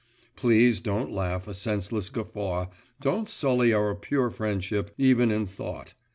(Please don't laugh a senseless guffaw, don't sully our pure friendship, even in thought).